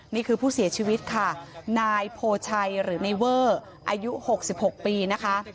นี่คือผู้เสียชีวิตค่ะนายโพชัยหรือในเวอร์อายุ๖๖ปีนะคะ